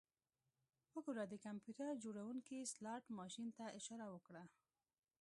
وګوره د کمپیوټر جوړونکي سلاټ ماشین ته اشاره وکړه